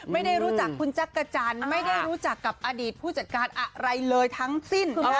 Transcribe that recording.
ไม่ได้รู้จักคุณจักรจันทร์ไม่ได้รู้จักกับอดีตผู้จัดการอะไรเลยทั้งสิ้น